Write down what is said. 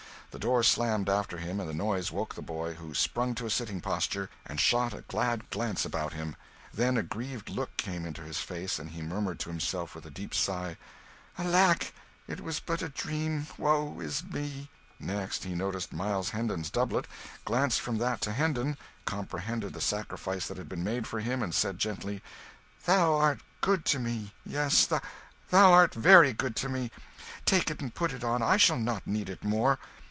The door slammed after him, and the noise woke the boy, who sprang to a sitting posture, and shot a glad glance about him; then a grieved look came into his face and he murmured to himself, with a deep sigh, "Alack, it was but a dream, woe is me!" Next he noticed Miles Hendon's doublet glanced from that to Hendon, comprehended the sacrifice that had been made for him, and said, gently "Thou art good to me, yes, thou art very good to me. Take it and put it on I shall not need it more."